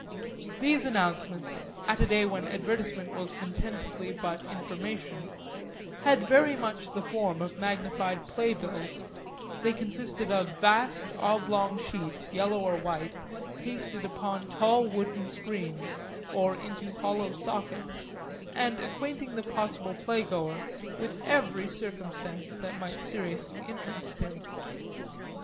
These announcements, at a day when advertisement was contentedly but information, had very much the form of magnified playbills; they consisted of vast oblong sheets, yellow or white, pasted upon tall wooden screens or into hollow sockets, and acquainting the possible playgoer with every circumstance that might seriously interest him.